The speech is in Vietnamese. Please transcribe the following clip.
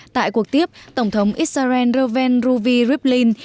tại cuộc tiếp tổng thống israel reuven ruvi rivlin